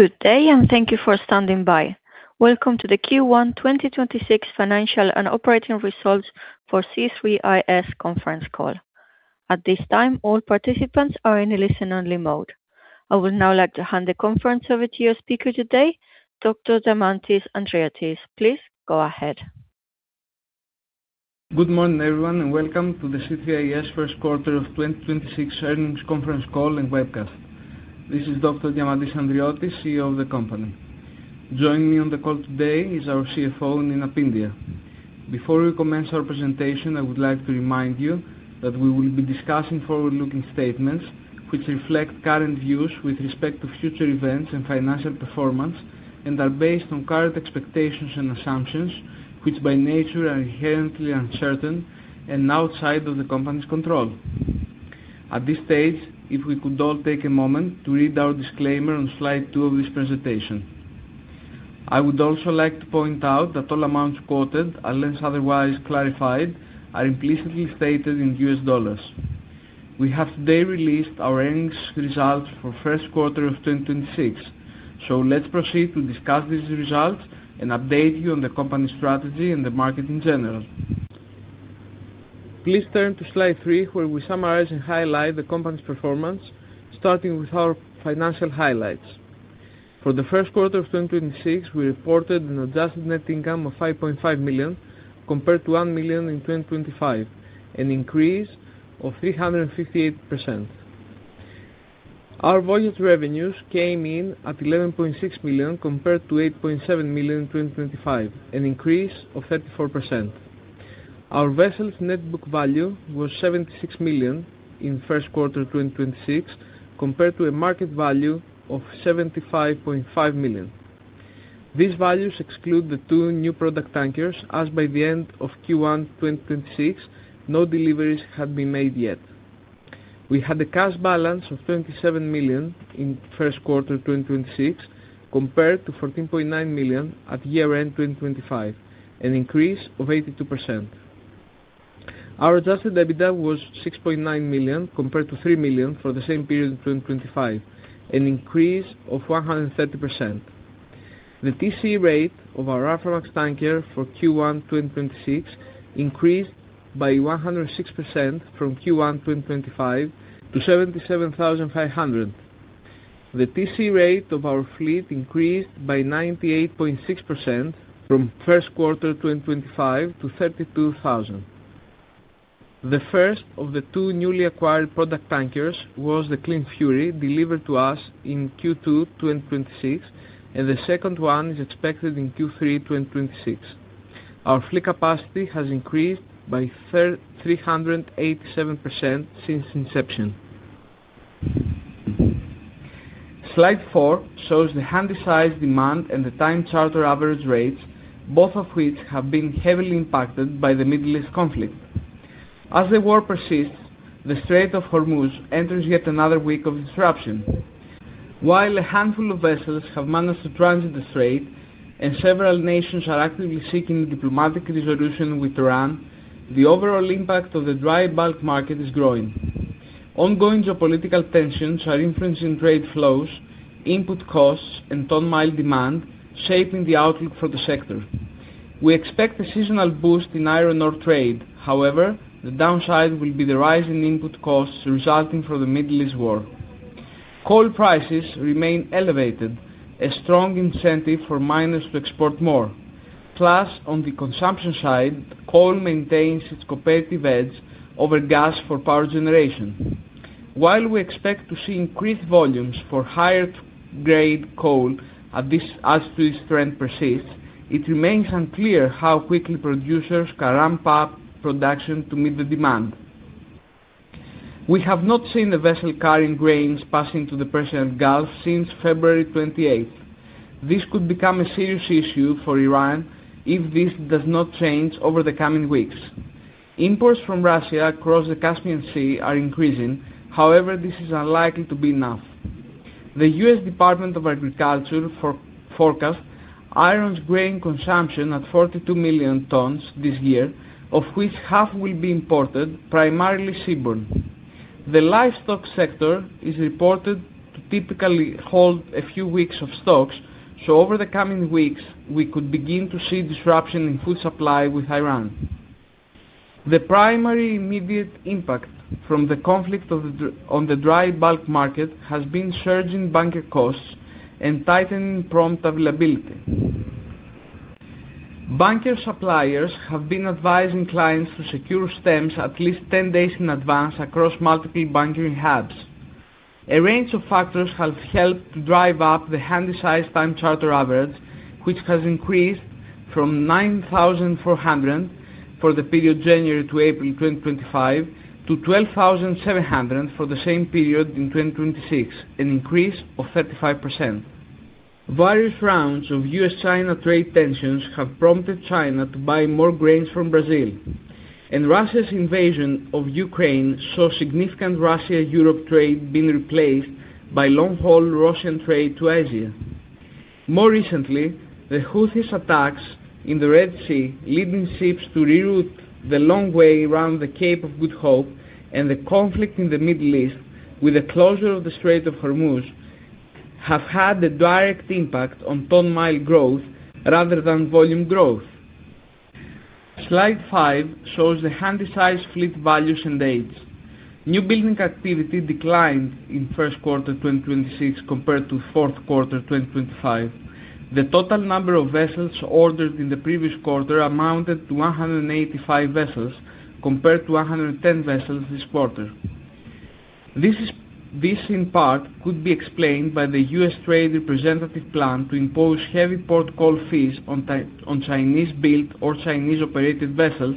Good day and thank you for standing by. Welcome to the Q1 2026 Financial and Operating Results for C3is Conference call. At this time, all participants are in a listen-only mode. I would now like to hand the conference over to your speaker today, Dr. Diamantis Andriotis. Please go ahead. Good morning, everyone, and welcome to the C3is first quarter of 2026 earnings conference call and webcast. This is Dr. Diamantis Andriotis, CEO of the company. Joining me on the call today is our CFO, Nina Pyndiah. Before we commence our presentation, I would like to remind you that we will be discussing forward-looking statements, which reflect current views with respect to future events and financial performance and are based on current expectations and assumptions, which by nature are inherently uncertain and outside of the company's control. At this stage, if we could all take a moment to read our disclaimer on slide two of this presentation. I would also like to point out that all amounts quoted, unless otherwise clarified, are implicitly stated in U.S. dollars. We have today released our earnings results for first quarter of 2026. Let's proceed to discuss these results and update you on the company strategy and the market in general. Please turn to slide three, where we summarize and highlight the company's performance, starting with our financial highlights. For the first quarter of 2026, we reported an adjusted net income of $5.5 million compared to $1 million in 2025, an increase of 358%. Our voyage revenues came in at $11.6 million compared to $8.7 million in 2025, an increase of 34%. Our vessels net book value was $76 million in first quarter 2026 compared to a market value of $75.5 million. These values exclude the two new product tankers, as by the end of Q1 2026, no deliveries had been made yet. We had a cash balance of $27 million in first quarter 2026 compared to $14.9 million at year-end 2025, an increase of 82%. Our adjusted EBITDA was $6.9 million compared to $3 million for the same period in 2025, an increase of 130%. The TC rate of our Aframax tanker for Q1 2026 increased by 106% from Q1 2025 to $77,500. The TC rate of our fleet increased by 98.6% from first quarter 2025 to $32,000. The first of the two newly acquired product tankers was the Clean Fury delivered to us in Q2 2026, and the second one is expected in Q3 2026. Our fleet capacity has increased by 387% since inception. Slide four shows the Handysize demand and the time charter average rates, both of which have been heavily impacted by the Middle East conflict. As the war persists, the Strait of Hormuz enters yet another week of disruption. While a handful of vessels have managed to transit the strait and several nations are actively seeking diplomatic resolution with Iran, the overall impact of the dry bulk market is growing. Ongoing geopolitical tensions are influencing trade flows, input costs, and ton-mile demand, shaping the outlook for the sector. We expect a seasonal boost in iron ore trade. However the downside will be the rise in input costs resulting from the Middle East war. Coal prices remain elevated, a strong incentive for miners to export more. On the consumption side, coal maintains its competitive edge over gas for power generation. While we expect to see increased volumes for higher grade coal as this trend persists, it remains unclear how quickly producers can ramp up production to meet the demand. We have not seen a vessel carrying grains passing to the Persian Gulf since February 28. This could become a serious issue for Iran if this does not change over the coming weeks. Imports from Russia across the Caspian Sea are increasing. This is unlikely to be enough. The U.S. Department of Agriculture forecast Iran's grain consumption at 42 million tons this year, of which half will be imported, primarily seaborne. The livestock sector is reported to typically hold a few weeks of stocks, so over the coming weeks, we could begin to see disruption in food supply with Iran. The primary immediate impact from the conflict on the dry bulk market has been surging bunker costs and tightening prompt availability. Bunker suppliers have been advising clients to secure stems at least 10 days in advance across multiple bunkering hubs. A range of factors have helped to drive up the Handysize time charter average, which has increased from $9,400 for the period January to April 2025 to $12,700 for the same period in 2026, an increase of 35%. Various rounds of U.S.-China trade tensions have prompted China to buy more grains from Brazil. Russia's invasion of Ukraine saw significant Russia-Europe trade being replaced by long-haul Russian trade to Asia. More recently, the Houthis attacks in the Red Sea, leading ships to reroute the long way around the Cape of Good Hope and the conflict in the Middle East with the closure of the Strait of Hormuz, have had a direct impact on ton-mile growth rather than volume growth. Slide five shows the Handysize fleet values and age. Newbuilding activity declined in first quarter 2026 compared to fourth quarter 2025. The total number of vessels ordered in the previous quarter amounted to 185 vessels compared to 110 vessels this quarter. This in part could be explained by the U.S. Trade Representative plan to impose heavy port call fees on Chinese-built or Chinese-operated vessels,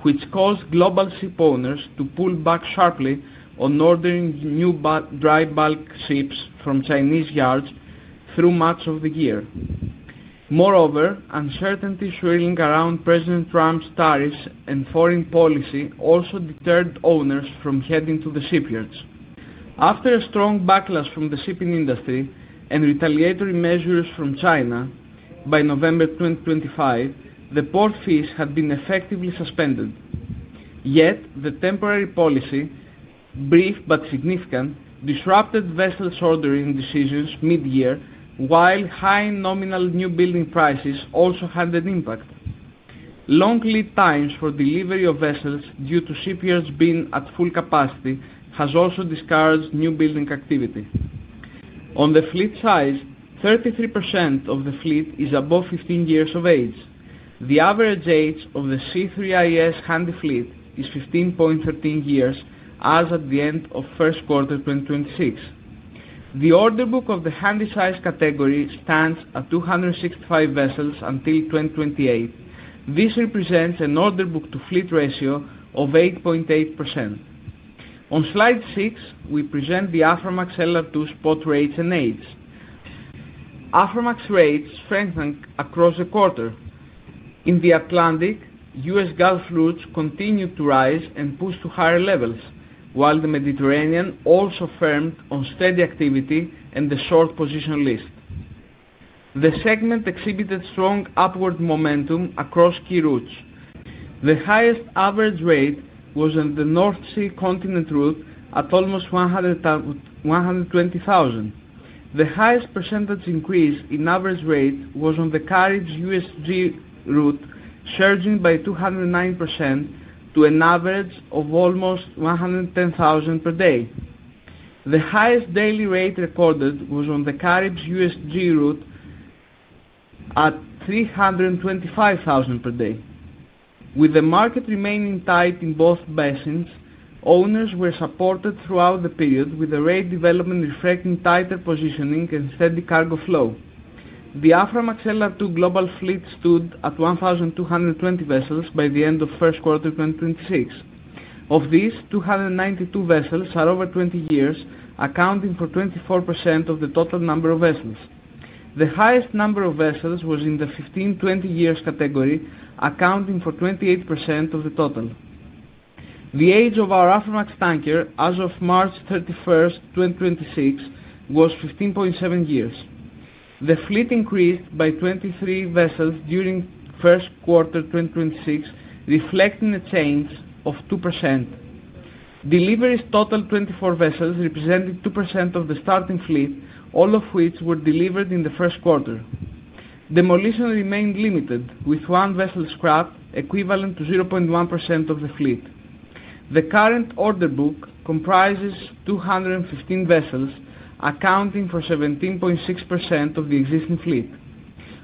which caused global ship owners to pull back sharply on ordering new dry bulk ships from Chinese yards through much of the year. Moreover, uncertainty swirling around President Trump's tariffs and foreign policy also deterred owners from heading to the shipyards. After a strong backlash from the shipping industry and retaliatory measures from China by November 2025, the port fees had been effectively suspended. Yet the temporary policy, brief but significant, disrupted vessels ordering decisions mid-year, while high nominal newbuilding prices also had an impact. Long lead times for delivery of vessels due to shipyards being at full capacity has also discouraged newbuilding activity. On the fleet size, 33% of the fleet is above 15 years of age. The average age of the C3is Handy fleet is 15.13 years as at the end of first quarter 2026. The orderbook of the Handysize category stands at 265 vessels until 2028. This represents an orderbook-to-fleet ratio of 8.8%. On slide six, we present the Aframax LR2 spot rates and age. Aframax rates strengthened across the quarter. In the Atlantic, U.S. Gulf routes continued to rise and push to higher levels, while the Mediterranean also firmed on steady activity and the short position list. The segment exhibited strong upward momentum across key routes. The highest average rate was in the North Sea continent route at almost $120,000. The highest percentage increase in average rate was on the Caribbean-USG route, surging by 209% to an average of almost $110,000 per day. The highest daily rate recorded was on the Caribbean-USG route at $325,000 per day. With the market remaining tight in both basins, owners were supported throughout the period with the rate development reflecting tighter positioning and steady cargo flow. The Aframax LR2 global fleet stood at 1,220 vessels by the end of first quarter 2026. Of these, 292 vessels are over 20 years, accounting for 24% of the total number of vessels. The highest number of vessels was in the 15, 20 years category, accounting for 28% of the total. The age of our Aframax tanker as of March 31st, 2026, was 15.7 years. The fleet increased by 23 vessels during first quarter 2026, reflecting a change of 2%. Deliveries totaled 24 vessels, representing 2% of the starting fleet, all of which were delivered in the first quarter. Demolition remained limited, with one vessel scrapped, equivalent to 0.1% of the fleet. The current orderbook comprises 215 vessels, accounting for 17.6% of the existing fleet.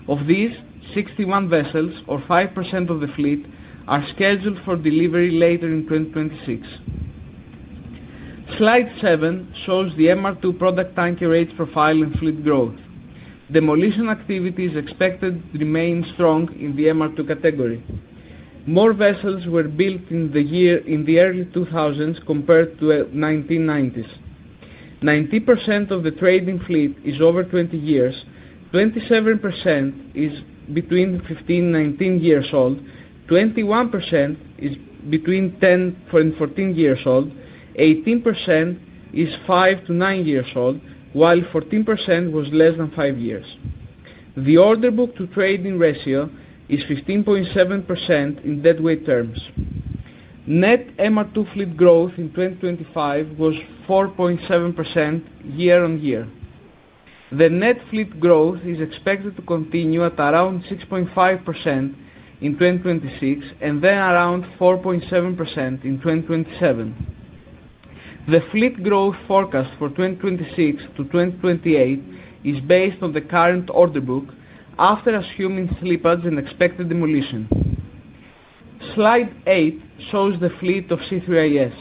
Of these, 61 vessels or 5% of the fleet are scheduled for delivery later in 2026. Slide seven shows the MR2 product tanker rate profile and fleet growth. Demolition activity is expected to remain strong in the MR2 category. More vessels were built in the year, in the early 2000s compared to 1990s. 90% of the trading fleet is over 20 years. 27% is between 15 and 19 years old. 21% is between 10 and 14 years old. 18% is five to nine years old, while 14% was less than five years. The orderbook to trading ratio is 15.7% in deadweight terms. Net MR2 fleet growth in 2025 was 4.7% year-on-year. The net fleet growth is expected to continue at around 6.5% in 2026 and then around 4.7% in 2027. The fleet growth forecast for 2026 to 2028 is based on the current orderbook after assuming slippage and expected demolition. Slide eight shows the fleet of C3is.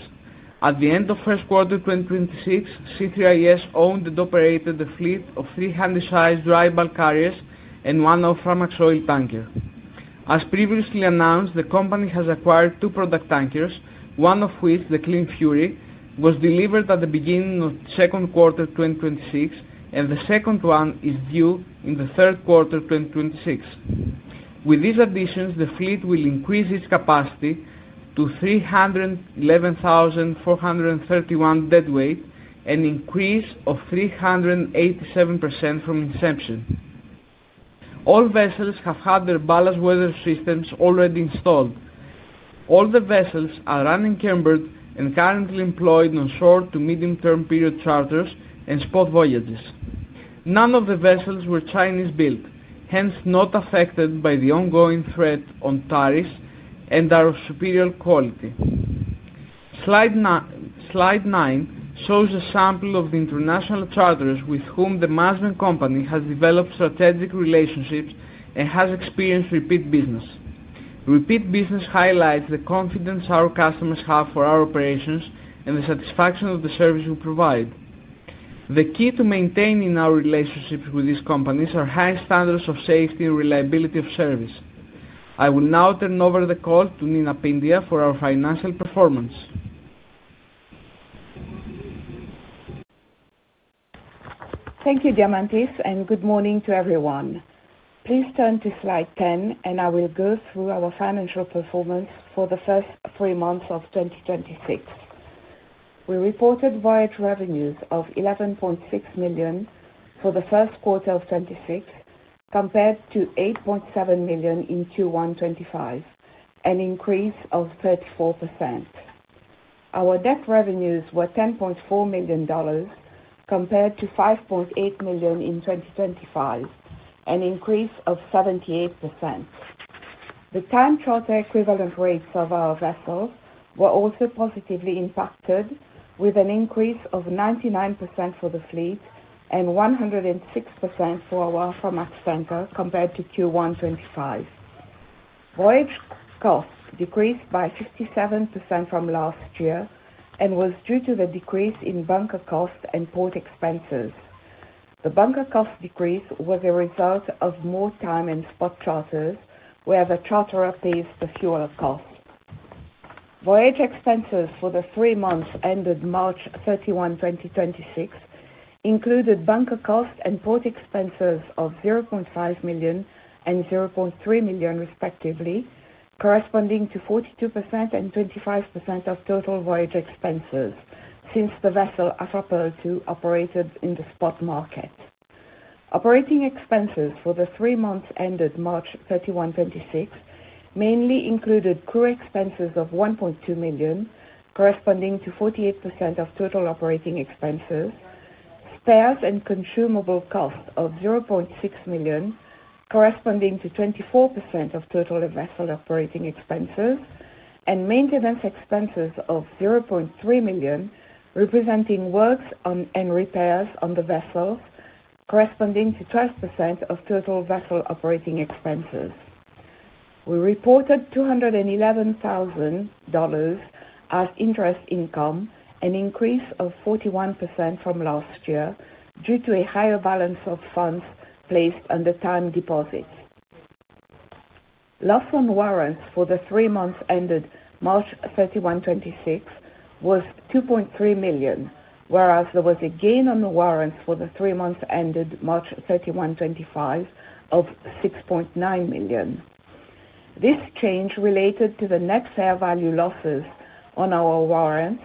At the end of first quarter 2026, C3is owned and operated a fleet of three Handysize dry bulk carriers and one Aframax oil tanker. As previously announced, the company has acquired two product tankers, one of which, the Clean Fury, was delivered at the beginning of second quarter 2026, and the second one is due in the third quarter 2026. With these additions, the fleet will increase its capacity to 311,431 deadweight, an increase of 387% from inception. All vessels have had their ballast water systems already installed. All the vessels are unencumbered and currently employed on short to medium-term period charters and spot voyages. None of the vessels were Chinese-built, hence not affected by the ongoing threat on tariffs and are of superior quality. Slide nine shows a sample of the international charters with whom the management company has developed strategic relationships and has experienced repeat business. Repeat business highlights the confidence our customers have for our operations and the satisfaction of the service we provide. The key to maintaining our relationships with these companies are high standards of safety and reliability of service. I will now turn over the call to Nina Pyndiah for our financial performance. Thank you, Diamantis, and good morning to everyone. Please turn to slide 10, and I will go through our financial performance for the first three months of 2026. We reported voyage revenues of $11.6 million for the first quarter of 2026, compared to $8.7 million in Q1 2025, an increase of 34%. Our net revenues were $10.4 million compared to $5.8 million in 2025, an increase of 78%. The Time Charter Equivalent rates of our vessels were also positively impacted with an increase of 99% for the fleet and 106% for our Aframax tanker compared to Q1 2025. Voyage costs decreased by 57% from last year and was due to the decrease in bunker costs and port expenses. The bunker cost decrease was a result of more time and spot charters where the charterer pays the fuel cost. Voyage expenses for the three months ended March 31, 2026 included bunker cost and port expenses of $0.5 million and $0.3 million respectively, corresponding to 42% and 25% of total voyage expenses since the vessel, Afrapearl II, operated in the spot market. Operating expenses for the three months ended March 31, 2026 mainly included crew expenses of $1.2 million, corresponding to 48% of total operating expenses, spares and consumable costs of $0.6 million, corresponding to 24% of total vessel operating expenses, and maintenance expenses of $0.3 million, representing works on, and repairs on the vessel, corresponding to 12% of total vessel operating expenses. We reported $211,000 as interest income, an increase of 41% from last year due to a higher balance of funds placed under time deposit. Loss on warrants for the three months ended March 31, 2026 was $2.3 million, whereas there was a gain on the warrants for the three months ended March 31, 2025 of $6.9 million. This change related to the net fair value losses on our warrants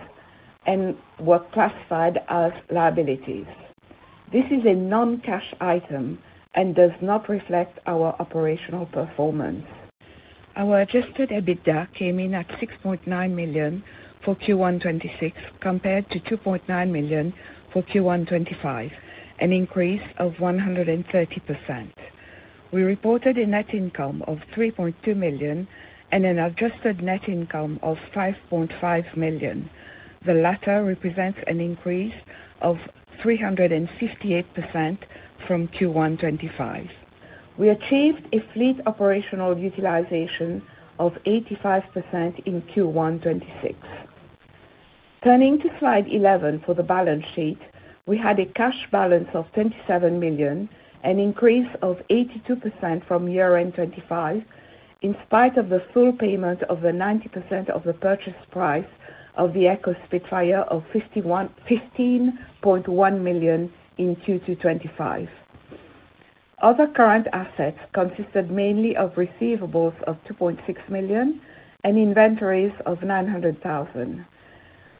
and were classified as liabilities. This is a non-cash item and does not reflect our operational performance. Our adjusted EBITDA came in at $6.9 million for Q1 2026 compared to $2.9 million for Q1 2025, an increase of 130%. We reported a net income of $3.2 million and an adjusted net income of $5.5 million. The latter represents an increase of 358% from Q1 2025. We achieved a fleet operational utilization of 85% in Q1 2026. Turning to slide 11 for the balance sheet, we had a cash balance of $27 million, an increase of 82% from year-end 2025, in spite of the full payment of the 90% of the purchase price of the Eco Spitfire of $15.1 million in Q2 2025. Other current assets consisted mainly of receivables of $2.6 million and inventories of $900,000.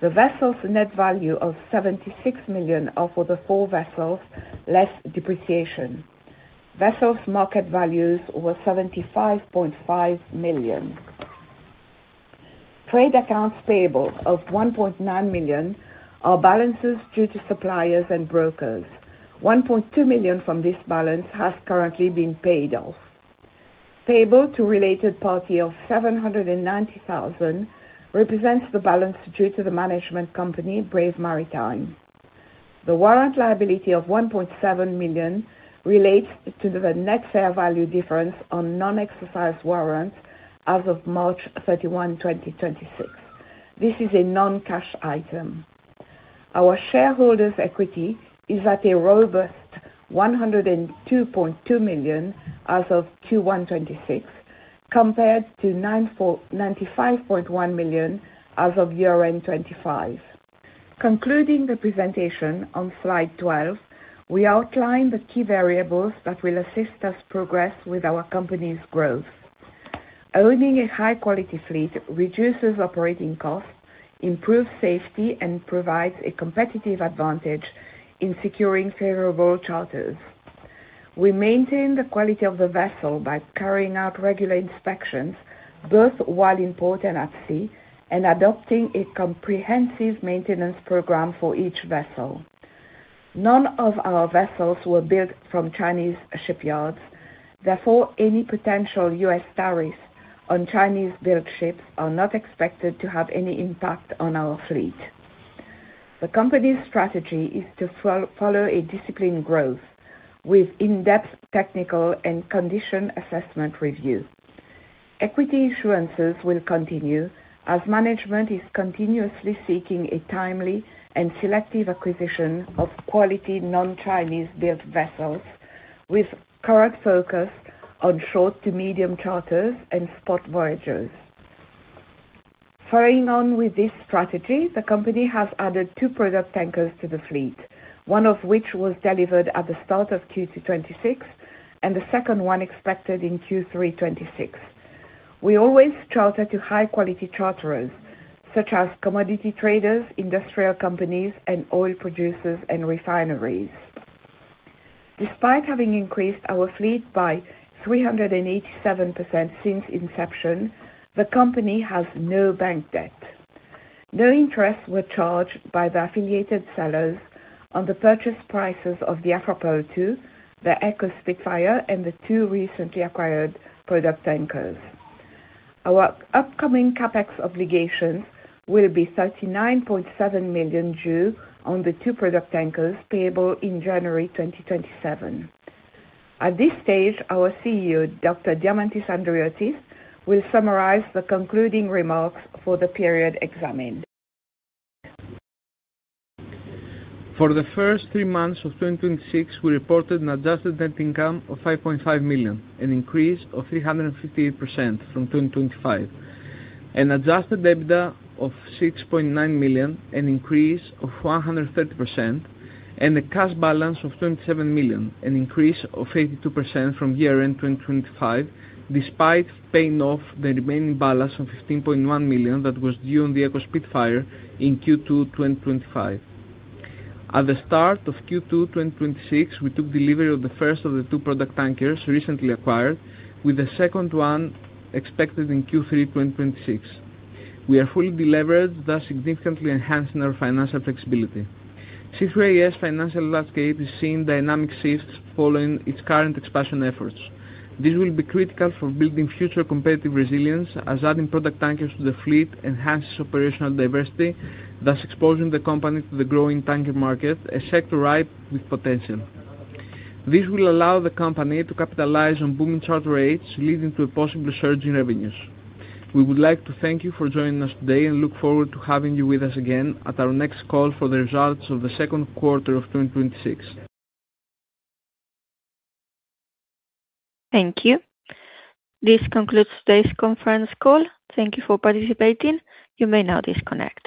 The vessel's net value of $76 million are for the four vessels, less depreciation. Vessels market values were $75.5 million. Trade accounts payable of $1.9 million are balances due to suppliers and brokers. $1.2 million from this balance has currently been paid off. Payable to related party of $790,000 represents the balance due to the management company, Brave Maritime. The warrant liability of $1.7 million relates to the net fair value difference on non-exercised warrants as of March 31, 2026. This is a non-cash item. Our shareholders' equity is at a robust $102.2 million as of Q1 2026, compared to $95.1 million as of year-end 2025. Concluding the presentation on slide 12, we outline the key variables that will assist us progress with our company's growth. Owning a high quality fleet reduces operating costs, improves safety, and provides a competitive advantage in securing favorable charters. We maintain the quality of the vessel by carrying out regular inspections, both while in port and at sea, and adopting a comprehensive maintenance program for each vessel. None of our vessels were built from Chinese shipyards, therefore, any potential U.S. tariffs on Chinese-built ships are not expected to have any impact on our fleet. The company's strategy is to follow a disciplined growth with in-depth technical and condition assessment review. Equity issuances will continue as management is continuously seeking a timely and selective acquisition of quality non-Chinese built vessels with current focus on short to medium charters and spot voyages. Following on with this strategy, the company has added two product tankers to the fleet, one of which was delivered at the start of Q2 2026, and the second one expected in Q3 2026. We always charter to high quality charterers such as commodity traders, industrial companies, and oil producers and refineries. Despite having increased our fleet by 387% since inception, the company has no bank debt. No interest were charged by the affiliated sellers on the purchase prices of the Afrapearl II, the Eco Spitfire, and the two recently acquired product tankers. Our upcoming CapEx obligations will be $39.7 million due on the two product tankers payable in January 2027. At this stage, our CEO, Dr. Diamantis Andriotis, will summarize the concluding remarks for the period examined. For the first three months of 2026, we reported an adjusted net income of $5.5 million, an increase of 358% from 2025, an adjusted EBITDA of $6.9 million, an increase of 130%, and a cash balance of $27 million, an increase of 82% from year-end 2025, despite paying off the remaining balance of $15.1 million that was due on the Eco Spitfire in Q2 2025. At the start of Q2 2026, we took delivery of the first of the two product tankers recently acquired, with the second one expected in Q3 2026. We are fully delevered, thus significantly enhancing our financial flexibility. C3is's financial landscape is seeing dynamic shifts following its current expansion efforts. This will be critical for building future competitive resilience as adding product tankers to the fleet enhances operational diversity, thus exposing the company to the growing tanker market, a sector ripe with potential. This will allow the company to capitalize on booming charter rates, leading to a possible surge in revenues. We would like to thank you for joining us today and look forward to having you with us again at our next call for the results of the second quarter of 2026. Thank you. This concludes today's conference call. Thank you for participating. You may now disconnect.